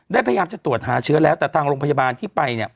พยายามจะตรวจหาเชื้อแล้วแต่ทางโรงพยาบาลที่ไปเนี่ย